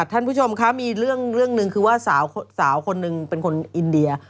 ท่านผู้ชมครับมีเรื่องหนึ่งคือว่าสาวคนหนึ่งเป็นคนอินเดีย